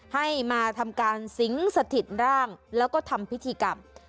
ให้มาทำการสิงสถิตร่างแล้วก็ทำพิธีกรรม